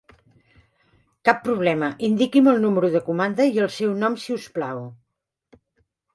Cap problema, indiqui'm el número de comanda i el seu nom si us plau.